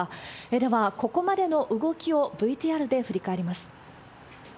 では、ここまでの動きをＶＴＲで振り返ります。